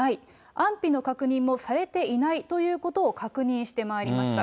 安否の確認もされていないということを確認してまいりました。